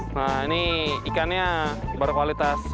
nah ini ikannya baru kualitas